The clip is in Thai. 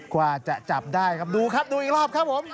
กว่าจะจับได้ครับดูครับดูอีกรอบครับผม